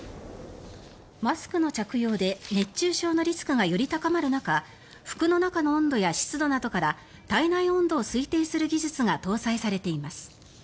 マスクの着用で熱中症のリスクがより高まる中服の中の温度や湿度などから体内温度を推定する技術が搭載されています。